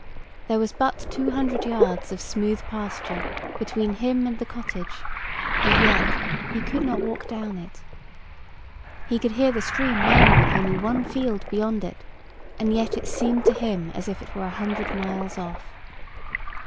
There was but two hundred yards of smooth pasture between him and the cottage, and yet he could not walk down it. He could hear the stream murmuring only one field beyond it, and yet it seemed to him as if it was a hundred miles off.